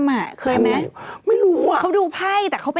ไม่มันไม่มีผัวท่ำ